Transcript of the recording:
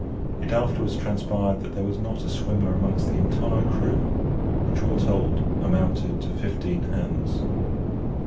It afterwards transpired that there was not a swimmer amongst the entire crew, which, all told, amounted to fifteen hands.